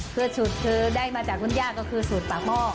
คือสูตรคือได้มาจากคุณย่าก็คือสูตรปากหม้อ